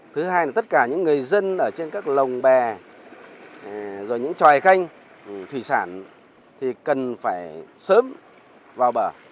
thứ hai là tất cả những người dân ở trên các lồng bè rồi những tròi canh thủy sản thì cần phải sớm vào bờ